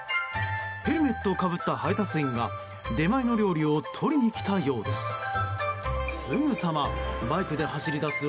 ヘルメットをかぶった配達員が出前の料理を取りに来たようです。